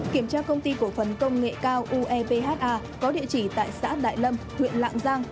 kiểm tra công ty cổ phần công nghệ cao ueha có địa chỉ tại xã đại lâm huyện lạng giang